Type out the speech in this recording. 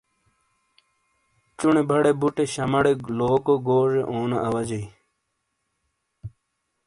چُونے بڑے بُٹے شامہ ڑے لوکو گوزے اونو اواجئی۔